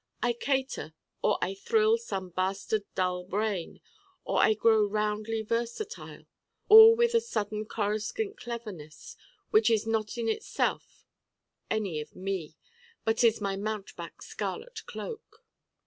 I cater, or I thrill some bastard dull brain, or I grow roundly versatile: all with a sudden coruscant Cleverness which is not in itself any of Me but is my mountebank's scarlet cloak.